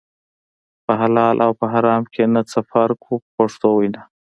په حلال او په حرام کې نه څه فرق و په پښتو وینا.